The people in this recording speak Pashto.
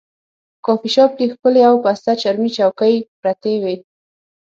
کافي شاپ کې ښکلې او پسته چرمي چوکۍ پرتې وې.